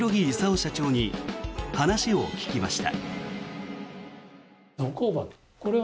社長に話を聞きました。